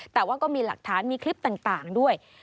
แต่ว่าก็มีหลักฐานมีคลิปต่างด้วย